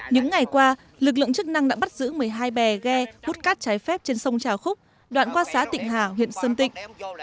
những ngày qua lực lượng chức năng đã bắt giữ một mươi hai bè ghe hút cát trái phép trên sông trà khúc đoạn qua xã tịnh hà huyện sơn tịnh